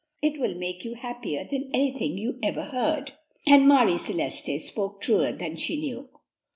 It will make you happier than anything you ever heard," and Marie Celeste spoke truer than she knew.